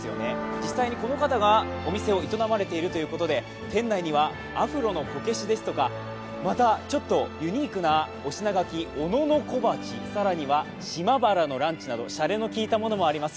実際にこの方がお店を営まれているということで店内にはアフロのこけしですとか、ちょっとユニークなお品書き、小野小鉢、更には島原のランチなどしゃれのきいたものもあります。